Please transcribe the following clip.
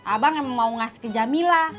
abang emang mau ngasih ke jamila